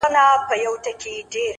ژور فکر سطحي تېروتنې کموي؛